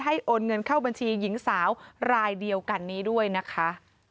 โอนเงินเข้าบัญชีหญิงสาวรายเดียวกันนี้ด้วยนะคะ